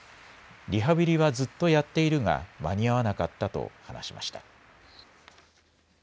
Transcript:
リハビリはずっとやっているが、間に合わなかったと話しました。